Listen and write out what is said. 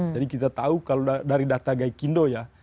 jadi kita tahu kalau dari data gaikindo ya